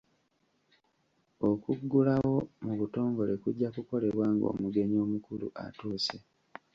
Okuggulawo mu butongole kujja kukolebwa ng'omugenyi omukulu atuuse.